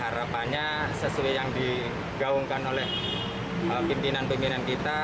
harapannya sesuai yang digaungkan oleh pimpinan pimpinan kita